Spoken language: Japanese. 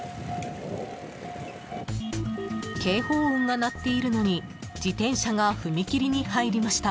［警報音が鳴っているのに自転車が踏切に入りました］